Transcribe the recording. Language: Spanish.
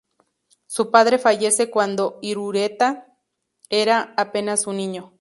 Su padre fallece cuando Irureta era apenas un niño.